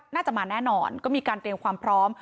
น่าจะมาแน่นอนก็มีการเตรียมความพร้อม